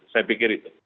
saya pikir itu